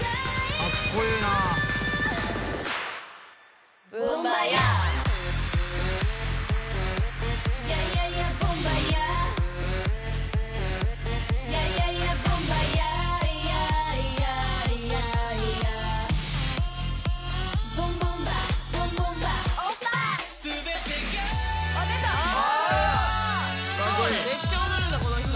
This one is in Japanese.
「めっちゃ踊るんだこの人」